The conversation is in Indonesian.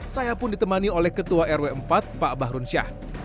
saya pun ditemani oleh ketua rw empat pak bahrun syah